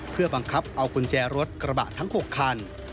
เพื่อบังคับเอากุญแจรถกระบะทั้ง๖คัน